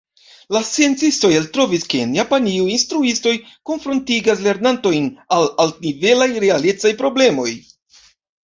La sciencistoj eltrovis, ke en Japanio instruistoj konfrontigas lernantojn al altnivelaj realecaj problemoj.